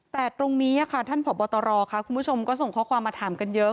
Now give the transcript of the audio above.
แต่ตรงนี้คุณผู้ชมก็ส่งข้อความมาถามกันเยอะ